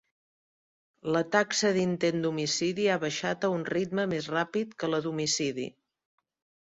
La taxa d'intent d'homicidi ha baixat a un ritme més ràpid que la d'homicidi.